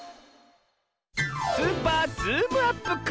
「スーパーズームアップクイズ」